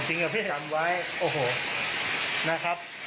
จำไว้นะครับ